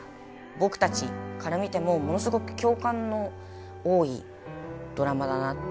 僕たちから見てもものすごく共感の多いドラマだなって。